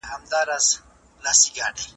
کمونيسټ همداسې وکړل او بريالی شو.